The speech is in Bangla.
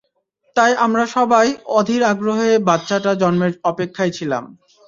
তাই আমরা সবাই অধীর আগ্রহে বাচ্ছাটা জন্মের অপেক্ষায় ছিলাম।